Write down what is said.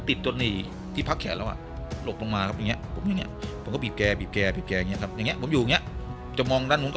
ติดตอนนี้ที่พ่อถ้าลองลบรบมาเป็นงี้ดูแกะแล้วไม่รอต่อก็